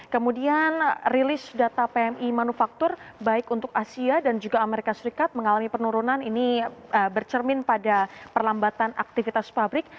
kemudian rilis data pmi manufaktur baik untuk asia dan juga amerika serikat mengalami penurunan ini bercermin pada perlambatan aktivitas pabrik